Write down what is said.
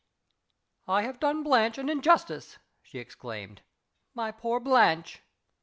"I have done Blanche an injustice!" she exclaimed. "My poor Blanche!"